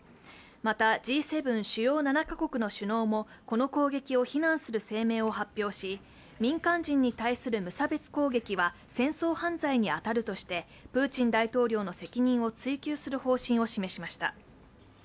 また、Ｇ７＝主要７か国の首脳もこの攻撃を非難する声明を発表し民間人に対する無差別攻撃は戦争犯罪に当たるとして、プーチン大統領の責任を追及する方針を示しました。